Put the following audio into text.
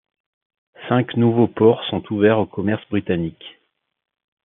Cinq nouveaux ports sont ouverts au commerce britannique.